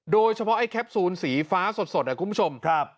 โดยเฉพาะไอ้แคปซูลสีฟ้าสดคุณผู้ชมครับ